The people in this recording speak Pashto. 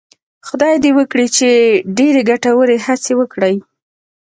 خدای دې وکړي چې ډېرې ګټورې هڅې وکړي.